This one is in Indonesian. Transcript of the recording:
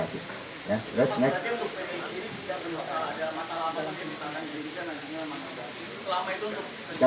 bapak maksudnya untuk bnp ini tidak perlu ada masalah apa apa misalnya di indonesia nanti memang